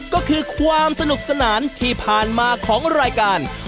ก็คือความสนุกสนานที่ผ่านมาของรายการ